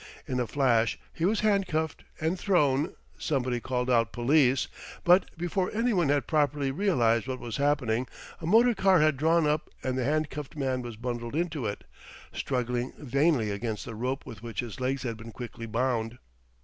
In a flash he was handcuffed and thrown, somebody called out "Police"; but before anyone had properly realised what was happening, a motor car had drawn up and the handcuffed man was bundled into it, struggling vainly against the rope with which his legs had been quickly bound.